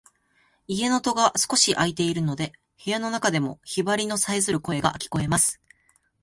家の戸が少し開いているので、部屋の中でもヒバリのさえずる声が聞こえます。